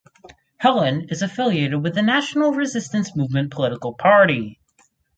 Hellen is affiliated to the National Resistance Movement political party.